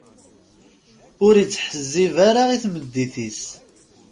Ur ittḥezzib ara i tmeddit-is.